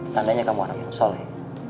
tandanya kamu anak yang soleh